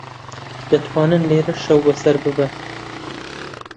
دەتوانن لێرە شەو بەسەر ببەن.